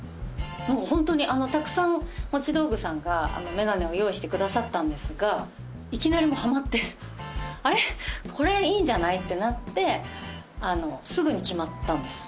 ホントにたくさん持道具さんが眼鏡を用意してくださったんですがいきなりもうハマって「あれっこれいいんじゃない？」ってなってすぐに決まったんです